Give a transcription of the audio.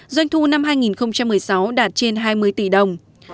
doanh thu năm hai nghìn một mươi sáu đạt trên hai mươi tỷ đồng